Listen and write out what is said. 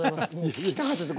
聞きたかったです。